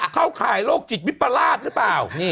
เข้าข่ายโรคจิตวิปราชหรือเปล่า